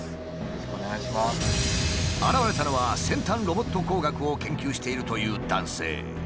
現れたのは先端ロボット工学を研究しているという男性。